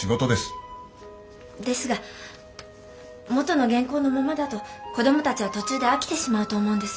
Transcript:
ですが元の原稿のままだと子どもたちは途中で飽きてしまうと思うんです。